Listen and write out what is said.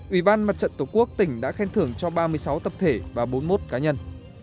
ủy ban mặt trận tổ quốc tỉnh đã khen thưởng cho ba mươi sáu tập thể và bốn mươi một cá nhân